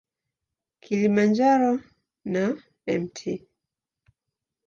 Kilimanjaro na Mt.